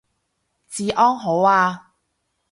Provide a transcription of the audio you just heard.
治安好啊